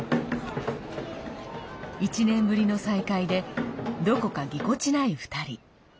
１年ぶりの再会でどこか、ぎこちない２人。